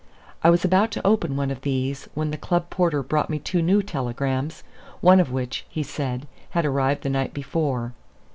I was about to open one of these, when the club porter brought me two telegrams, one of which, he said, had arrived the night before.